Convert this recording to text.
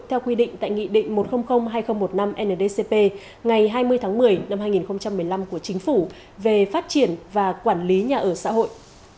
theo quy định tại nghị định một trăm linh hai nghìn một mươi năm ndcp ngày hai mươi tháng một mươi năm hai nghìn một mươi năm của chính phủ về phát triển và quản lý nhà ở xã hội